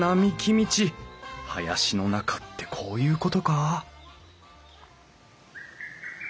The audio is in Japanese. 林の中ってこういうことか？